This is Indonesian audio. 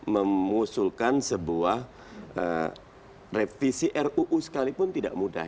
mengusulkan sebuah revisi ruu sekalipun tidak mudah